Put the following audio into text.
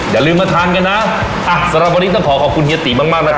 อย่าลืมมาทานกันนะอ่ะสำหรับวันนี้ต้องขอขอบคุณเฮียติมากมากนะครับ